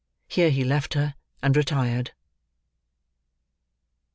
Here he left her, and retired.